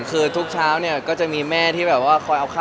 คือทุกเช้าก็จะมีแม่ที่คอยเอาข้าวมาให้อยู่ตลอด